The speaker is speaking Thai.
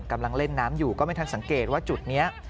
กำลังเล่นน้ำอยู่ก็ไม่ทันสังเกตว่าจุดนี้